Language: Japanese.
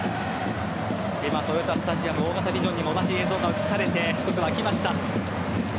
豊田スタジアム大型ビジョンにも同じ映像が映し出されまして一つ、沸きました。